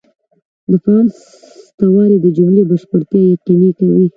د فاعل سته والى د جملې بشپړتیا یقیني کوي.